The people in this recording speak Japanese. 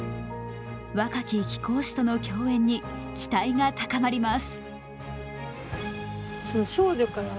若き貴公子との共演に期待が高まります。